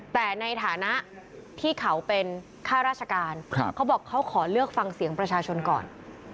แต่ในฐานะที่เขาเป็นข้าราชการเขาบอกเขาขอเลือกฟังเสียงประชาชนก่อน